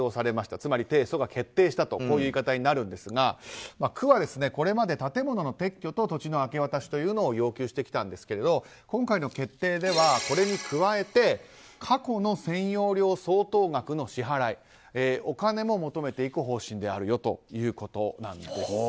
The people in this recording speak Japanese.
つまり提訴が決定したとこういう言い方になるんですが区はこれまで建物の撤去と土地の明け渡しを要求してきたんですけど今回の決定ではこれに加えて過去の占用料相当額の支払いお金も求めていく方針であるということなんです。